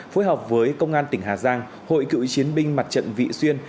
phối hợp với công an tỉnh hà giang hội cựu chiến binh mặt trận vị xuyên